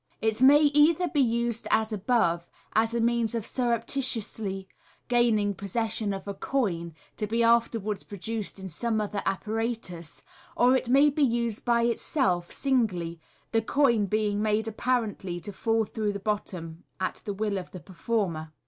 It may either be used as above, as a means of surreptitiously gaining pos session of a coin, to be afterwards produced in some other apparatus, or it may be used by itself singly, the coin being made apparently to fall through the bottom at the will of the performer.